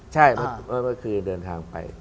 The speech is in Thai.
ใช่เมื่อคืนเดินทางไป